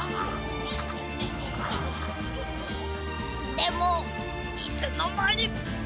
でもいつのまに。